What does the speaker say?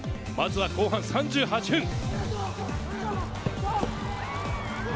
まずは後半３８分。